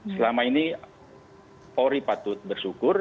selama ini polri patut bersyukur